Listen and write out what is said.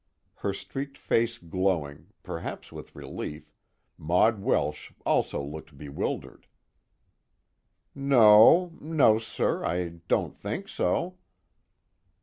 Her streaked face glowing, perhaps with relief, Maud Welsh also looked bewildered. "No no, sir, I don't think so."